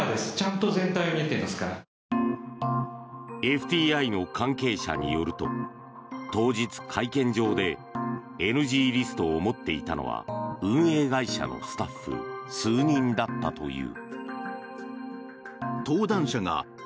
ＦＴＩの関係者によると当日、会見場でＮＧリストを持っていたのは運営会社のスタッフ数人だったという。